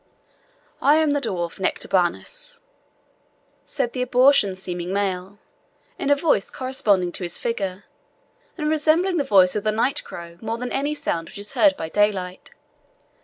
"I am the dwarf Nectabanus," said the abortion seeming male, in a voice corresponding to his figure, and resembling the voice of the night crow more than any sound which is heard by daylight.